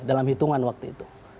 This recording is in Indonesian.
dalam hitungan waktu itu